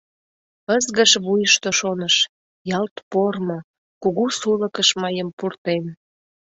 Ызгыш вуйышто шоныш, ялт пормо, кугу сулыкыш мыйым пуртен.